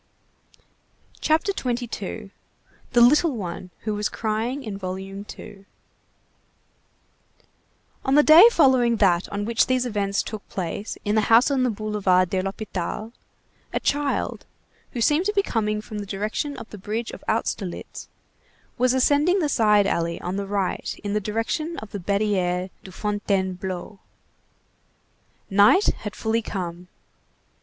CHAPTER XXII—THE LITTLE ONE WHO WAS CRYING IN VOLUME TWO On the day following that on which these events took place in the house on the Boulevard de l'Hôpital, a child, who seemed to be coming from the direction of the bridge of Austerlitz, was ascending the side alley on the right in the direction of the Barrière de Fontainebleau. Night had fully come.